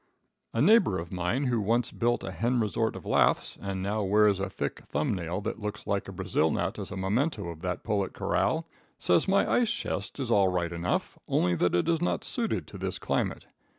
A neighbor of mine who once built a hen resort of laths, and now wears a thick thumb nail that looks like a Brazil nut as a memento of that pullet corral, says my ice chest is all right enough, only that it is not suited to this climate.